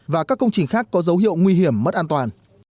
và các công trình khác có dấu hiệu nguy hiểm mất an toàn